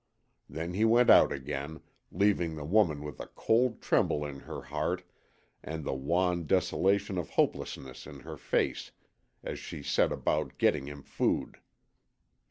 Then he went out again, leaving the woman with a cold tremble in her heart and the wan desolation of hopelessness in her face as she set about getting him food.